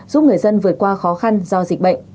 giúp người dân vượt qua khó khăn do dịch bệnh